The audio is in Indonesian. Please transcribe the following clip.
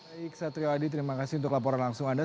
baik satrio adi terima kasih untuk laporan langsung anda